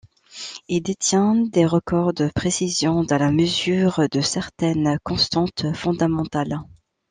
Il détient des records de précision dans la mesure de certaines constantes fondamentales.